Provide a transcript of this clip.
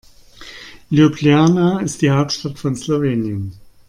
Ljubljana ist die Hauptstadt von Slowenien.